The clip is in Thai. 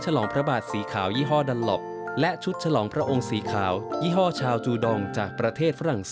ฉลองพระบาทสีขาวยี่ห้อดันล็อปและชุดฉลองพระองค์สีขาวยี่ห้อชาวจูดองจากประเทศฝรั่งเศ